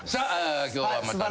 今日はまたね。